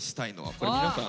これ皆さん。